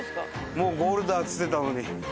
「もうゴールだ！」って言ってたのに。